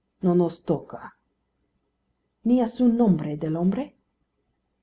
"No nos toca." "Ni a su nombre del hombre?"